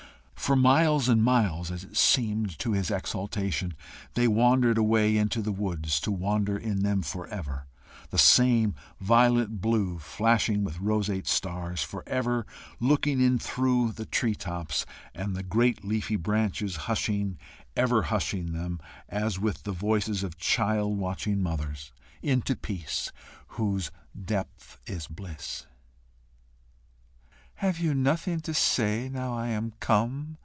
For miles and miles, as it seemed to his exaltation, they wandered away into the woods, to wander in them for ever, the same violet blue, flashing with roseate stars, for ever looking in through the tree tops, and the great leafy branches hushing, ever hushing them, as with the voices of child watching mothers, into peace, whose depth is bliss. "Have you nothing to say now I am come?"